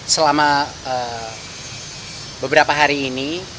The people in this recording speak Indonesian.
selama beberapa hari ini